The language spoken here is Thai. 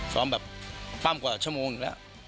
แบบปั้มกว่าชั่วโมงอีกแล้ว